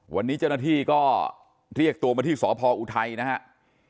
วันนี้เจ้าหน้าที่ก็เรียกตัวมาที่สพออุทัยนะครับ